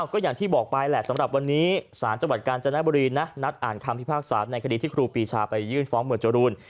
ก็อย่างที่บอกไปแหละสำหรับวันนี้ศาลจังหวัดกาญจนบุรีนะนัดอ่านคำพิพากษาในคดีที่ครูปีชาไปยื่นฟ้องหมวดจรูน